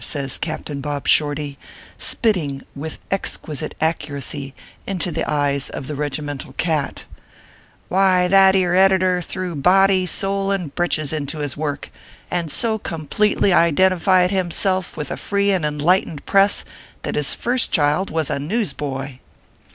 says Captain Bob Shorty, spitting with exquisite accuracy into the eyes of the regimental cat, "why, that ere editor threw body, soul, and breeches into his work ; and so completely identified himself with a free and enlight ened press, that his first child was a newsboy" ORPHEUS C.